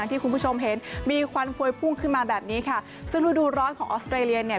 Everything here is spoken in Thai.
ที่คุณผู้ชมเห็นมีควันพวยพุ่งขึ้นมาแบบนี้ค่ะซึ่งรูดูร้อนของออสเตรเลียเนี่ย